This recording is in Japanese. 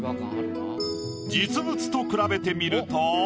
実物と比べてみると。